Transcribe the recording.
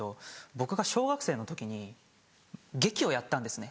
僕が小学生の時に劇をやったんですね